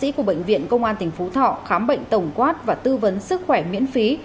các y bác sĩ của bệnh viện công an tỉnh phú thọ khám bệnh tổng quát và tư vấn sức khỏe miễn phí